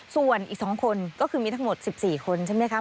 ส่วนอีก๒คนก็คือมีทั้งหมด๑๔คนใช่ไหมคะ